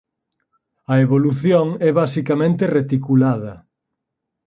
A evolución é basicamente reticulada.